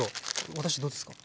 私どうですか？